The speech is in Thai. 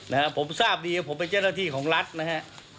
นะฮะผมทราบดีว่าผมเป็นเจ้าหน้าที่ของรัฐนะฮะ